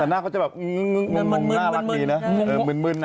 แต่หน้าก็จะแบบมึนมึนมึน